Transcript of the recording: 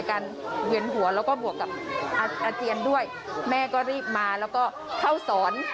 อาเจียนด้วยแม่ก็รีบมาแล้วก็เข้าสอน